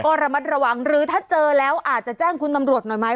ก็ระมัดระวังหรือถ้าเจอแล้วอาจจะแจ้งคุณตำรวจหน่อยไหม